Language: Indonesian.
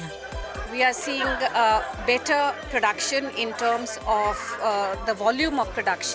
kami melihat produksi yang lebih baik dalam hal volume produksi